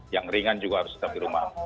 yang ringan juga harus tetap di rumah